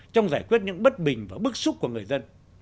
trong giải quyết những bất bình và bức xúc của người dân